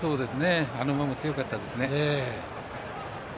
あの馬も強かったですね。